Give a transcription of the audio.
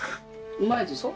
うまいでしょ？